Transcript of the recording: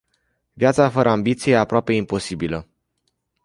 Viața fără ambiție e aproape imposibilă.